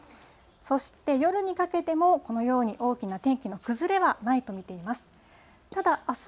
そして夜にかけても、このように大きな天気の崩れはないと見ています。